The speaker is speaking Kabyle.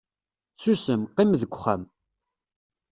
susem, qqim deg uxxam